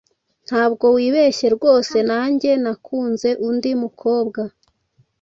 ntabwo wibeshye rwose, nanjye nakunze undi mukobwa